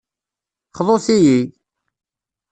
Xḍut-yi!